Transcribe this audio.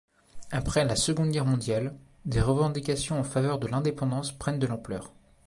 Après la Seconde Guerre mondiale, des revendications en faveur de l'indépendance prennent de l'ampleur.